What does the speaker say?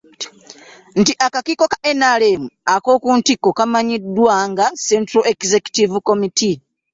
Nti akakiiko ka NRM ak'okuntikko kamanyiddwa nga Central Executive Committee.